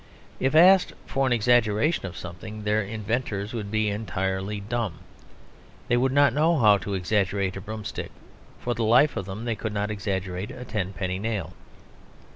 If asked for an exaggeration of something, their inventors would be entirely dumb. They would not know how to exaggerate a broom stick; for the life of them they could not exaggerate a tenpenny nail.